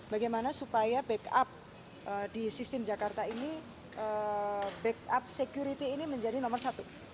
bagaimana supaya backup di sistem jakarta ini backup security ini menjadi nomor satu